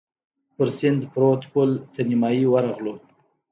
پر سیند پروت پل تر نیمايي ورغلو.